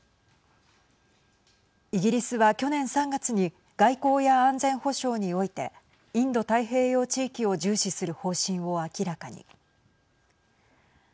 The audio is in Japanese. イギリスは去年３月に外交や安全保障においてインド太平洋地域を重視する方針を明らかに。